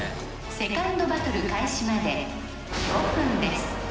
セカンドバトル開始まで５分です